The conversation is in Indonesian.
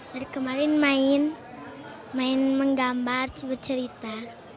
dari kemarin main menggambar bercerita